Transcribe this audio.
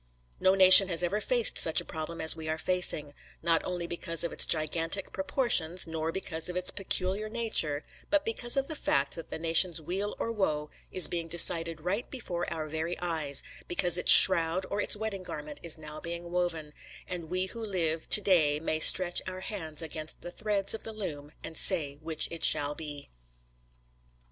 No nation has ever faced such a problem as we are facing; not only because of its gigantic proportions, nor because of its peculiar nature, but because of the fact that the nation's weal or woe is being decided right before our very eyes; because its shroud or its wedding garment is now being woven, and we who live to day may stretch our hands against the threads of the loom and say which it shall be.